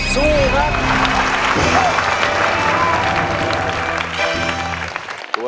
สู้ค่ะ